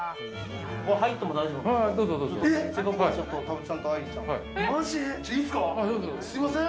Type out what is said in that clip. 入っても大丈夫なんですか？